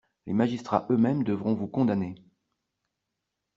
Les magistrats eux-mêmes devront vous condamner.